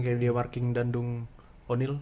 kayak dia marking dandung o neal